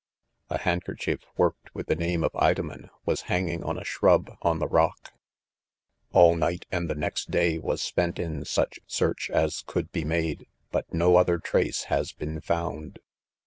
A handkerchief, worked with the name of Idomen, was hanging on a shrub on the rock. All night and the next day was spent in such search as could be made*; but no other trace has been found."